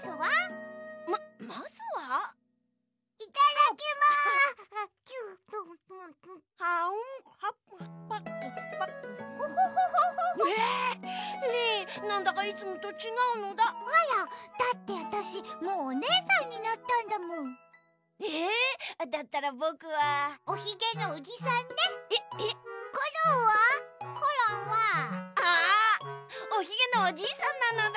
あおひげのおじいさんなのだ。